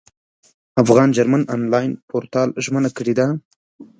افغان جرمن انلاین پورتال ژمنه کړې ده.